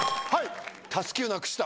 たすきをなくした。